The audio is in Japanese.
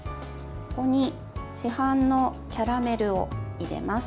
ここに市販のキャラメルを入れます。